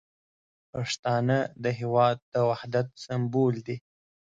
پښتانه د هیواد د وحدت سمبول دي.